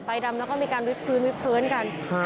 ดำแล้วก็มีการวิดพื้นวิดพื้นกัน